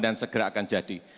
dan segera akan jadi